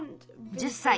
１０歳。